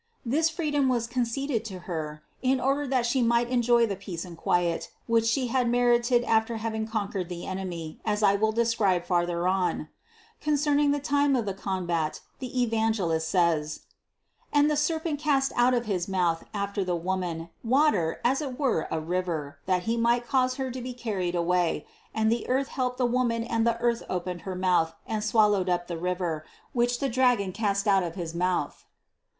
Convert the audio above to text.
This freedom was con ceded to Her in order that She might enjoy the peace and quiet, which She had merited after having con quered the enemy, as I will describe farther on (Part III, 526). Concerning the time of the combat the Evan gelist says: 130. "And the serpent cast out of his mouth after the woman, water, as it were, a river, that he might cause her to be carried away ; and the earth helped the woman and the earth opened her mouth and swallowed up the THE CONCEPTION 123 river, which the dragon cast out of his mouth."